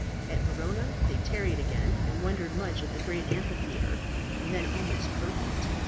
At Verona they tarried again, and wondered much at the great amphitheatre, then almost perfect.